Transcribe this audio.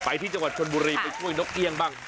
ที่จังหวัดชนบุรีไปช่วยนกเอี่ยงบ้าง